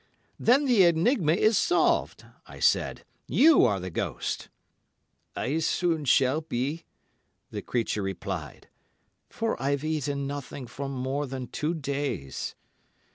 "Then the enigma is solved," I said. "You are the ghost!" "I soon shall be," the creature replied, "for I've eaten nothing for more than two days."